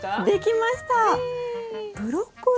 できました！